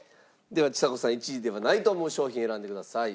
ではちさ子さん１位ではないと思う商品選んでください。